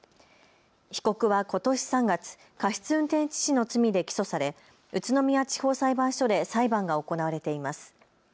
被告はことし３月、過失運転致死の罪で起訴され宇都宮地方裁判所で裁判が行われています。